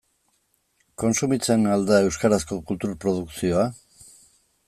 Kontsumitzen al da euskarazko kultur produkzioa?